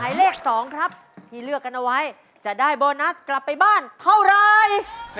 อะไรเลขตรงครับพี่เลือกกันเอาไว้จะได้บรอนะกลับไปบ้านเท่าไร